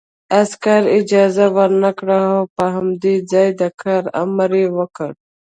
عسکر اجازه ورنکړه او په همدې ځای د کار امر یې وکړ